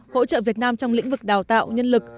hỗ trợ việt nam trong lĩnh vực đào tạo nhân lực